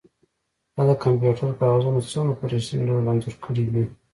تا د کمپیوټر کاغذونه څومره په ریښتیني ډول انځور کړي دي